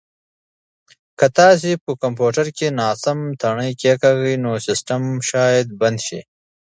که تاسي په کمپیوټر کې ناسم تڼۍ کېکاږئ نو سیسټم شاید بند شي.